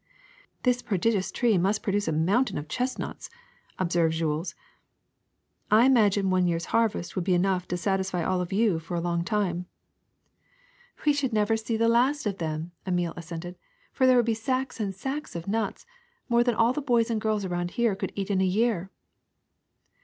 '* *^This prodigious tree must produce a mountain of chestnuts,'' observed Jules. I imagine one year's harvest would be enough to satisfy all of you for a long time. '' 282 THE SECRET OF EVERYDAY THINGS ^^We should never see the last of them,'' Emile assented, ^^for there would be sacks and sacks of nuts — more than all the boys and girls around here could eat in a year.